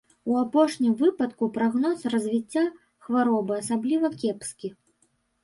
У апошнім выпадку прагноз развіцця хваробы асабліва кепскі.